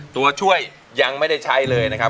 ตัวช่วยยังไม่ได้ใช้เลยนะครับ